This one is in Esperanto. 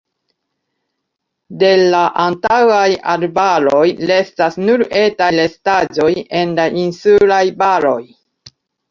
De la antaŭaj arbaroj restas nur etaj restaĵoj en la insulaj valoj.